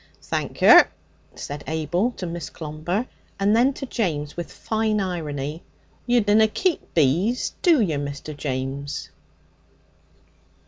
'Thank yer,' said Abel to Miss Clomber, and then to James with fine irony: 'You dunna keep bees, do yer, Mr. James?'